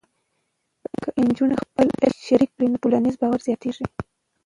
که نجونې خپل علم شریک کړي، نو ټولنیز باور زیاتېږي.